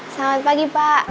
selamat pagi pak